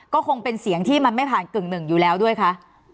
ก็คงเป็นเสียงที่มันไม่ผ่านกึ่งหนึ่งอยู่แล้วด้วยคะ